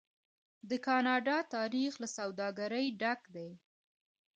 د کاناډا تاریخ له سوداګرۍ ډک دی.